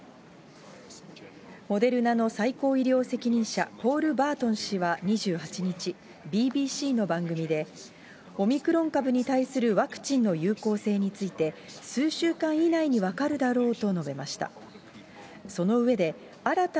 モデルナの最高医療責任者は、ポール・バートン氏は２８日、ＢＢＣの番組で、オミクロン株に対するワクチンの有効性について、数週間以内に分かるだろうと述べました。